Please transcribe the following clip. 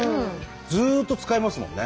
ずっと使えますもんね。